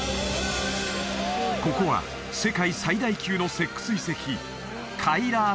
ここは世界最大級の石窟遺跡